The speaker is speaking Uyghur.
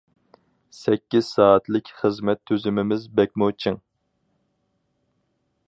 سەككىز سائەتلىك خىزمەت تۈزۈمىمىز بەكمۇ چىڭ.